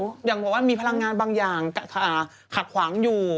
อย่างบอกว่ามีพลังงานบางอย่างขัดขวางอยู่